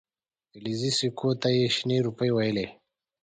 فلزي سکو ته یې شنې روپۍ ویلې.